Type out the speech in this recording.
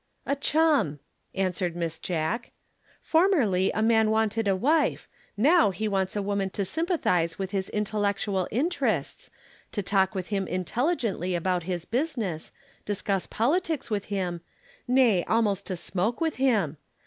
"A chum," answered Miss Jack. "Formerly a man wanted a wife, now he wants a woman to sympathize with his intellectual interests, to talk with him intelligently about his business, discuss politics with him nay, almost to smoke with him.